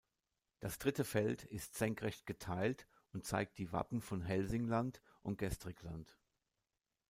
Das dritte Feld ist senkrecht geteilt und zeigt die Wappen von Hälsingland und Gästrikland.